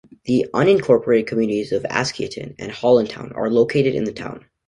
The unincorporated communities of Askeaton and Hollandtown are located in the town.